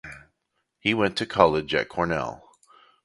He went to college at Cornell.